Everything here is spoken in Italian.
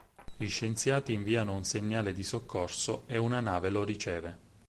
Gli scienziati inviano un segnale di soccorso e una nave lo riceve.